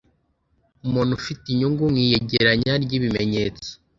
umuntu ufite inyungu mu iyegeranya ry’ibimenyetso